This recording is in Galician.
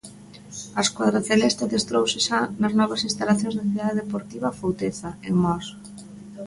A escuadra celeste adestrouse xa nas novas instalacións da Cidade Deportiva Afouteza, en Mos.